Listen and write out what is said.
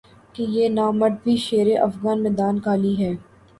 کہ یہ نامرد بھی شیر افگنِ میدانِ قالی ہے